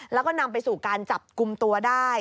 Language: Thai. แล้วก็นำไปสู่การจับกลุ่มตัวได้